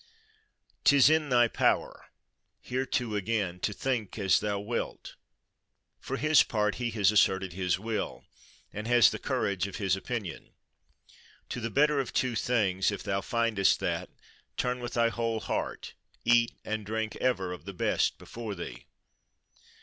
—"'Tis in thy power," here too, again, "to think as thou wilt." For his part he has asserted his will, and has the courage of his opinion. "To the better of two things, if thou findest that, turn with thy whole heart: eat and drink ever of the best before thee."